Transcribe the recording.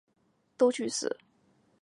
西南政法学院。